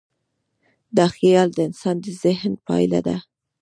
دا خیال د انسان د ذهن پایله ده.